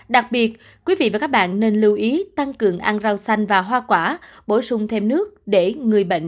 đặc biệt quý vị và các bạn nên lưu ý tăng cường ăn rau xanh và hoa quả bổ sung thêm nước để người bệnh